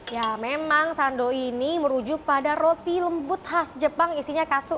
ya memang sando ini merujuk pada roti lembut khas jepang isinya kasur